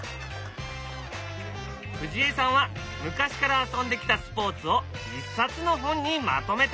藤江さんは昔から遊んできたスポーツを一冊の本にまとめた。